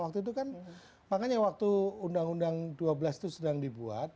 waktu itu kan makanya waktu undang undang dua belas itu sedang dibuat